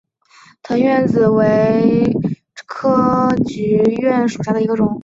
腾越紫菀为菊科紫菀属下的一个种。